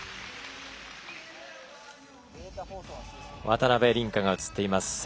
渡辺倫果が映っています。